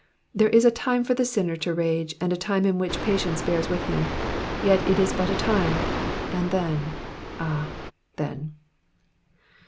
There is a time for the sinner to rage, and a time in which patience bears with him ; yet it is but a time, and then, ah, then